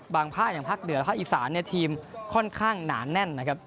ภาคอย่างภาคเหนือภาคอีสานเนี่ยทีมค่อนข้างหนาแน่นนะครับ